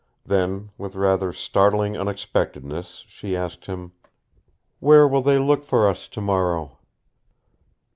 Then, with rather startling unexpectedness, she asked him, "Where will they look for us tomorrow?"